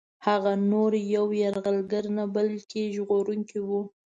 هغه نور یو یرغلګر نه بلکه ژغورونکی وو.